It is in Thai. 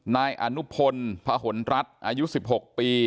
นายอนุพลพหนรัฐอายุ๑๖ปี